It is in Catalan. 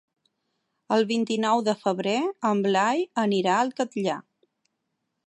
El vint-i-nou de febrer en Blai anirà al Catllar.